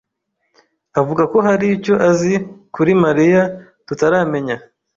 avuga ko hari icyo azi kuri Mariya tutaramenya.